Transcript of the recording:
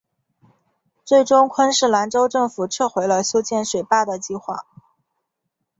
最终昆士兰州政府撤回了修建水坝的计划。